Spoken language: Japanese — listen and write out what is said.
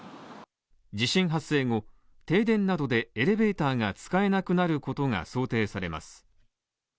地震発生後、停電などでエレベーターが使えなくなることが想定されます。